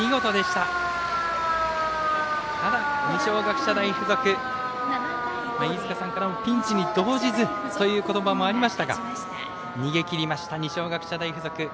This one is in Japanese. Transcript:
ただ、二松学舎大付属飯塚さんからもピンチに動じずという言葉もありましたが逃げきりました、二松学舎大付属。